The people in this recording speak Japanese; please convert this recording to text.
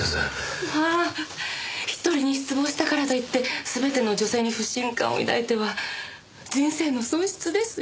まあ１人に失望したからといって全ての女性に不信感を抱いては人生の損失ですよ。